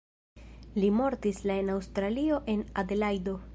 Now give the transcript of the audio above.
Li mortis la en Aŭstralio en Adelajdo.